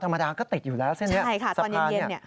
ธรรมดาก็ติดอยู่แล้วเส้นนี้สะพานนี้